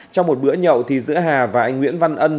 trong một bữa nhậu thì giữa hà và anh nguyễn văn ân